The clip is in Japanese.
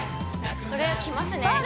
これはきますね